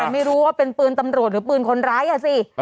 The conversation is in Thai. แต่ไม่รู้ว่าเป็นปืนตำรวจหรือปืนคนร้ายอ่ะสิ